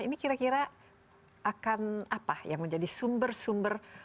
ini kira kira akan apa yang menjadi sumber sumber